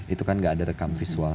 itu kan gak ada rekam visual